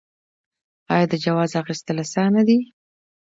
آیا د جواز اخیستل اسانه دي؟